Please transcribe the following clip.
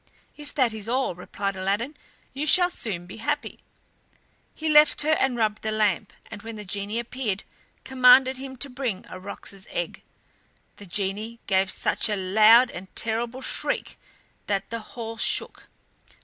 "If that is all," replied Aladdin, "you shall soon be happy." He left her and rubbed the lamp, and when the genie appeared commanded him to bring a roc's egg. The genie gave such a loud and terrible shriek that the hall shook.